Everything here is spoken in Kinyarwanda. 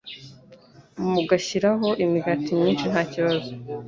mugashyiraho imigati myinshi ntakibazo